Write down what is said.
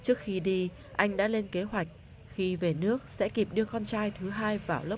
trước khi đi anh đã lên kế hoạch khi về nước sẽ kịp đưa con trai thứ hai vào lớp một và cháu đầu vào lớp năm